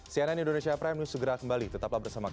cnn indonesia prime news segera kembali tetaplah bersama kami